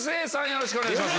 よろしくお願いします。